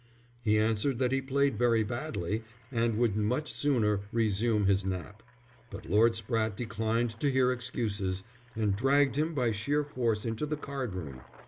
He answered that he played very badly and would much sooner resume his nap; but Lord Spratte declined to hear excuses, and dragged him by sheer force into the card room.